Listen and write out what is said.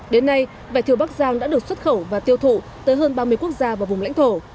đến nay vải thiều bắc giang đã được xuất khẩu và tiêu thụ tới hơn ba mươi quốc gia và vùng lãnh thổ